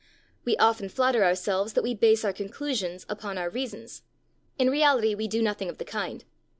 We often flatter ourselves that we base our conclusions upon our reasons. In reality, we do nothing of the kind.